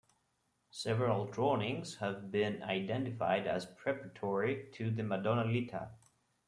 Several drawings have been identified as preparatory to the "Madonna Litta".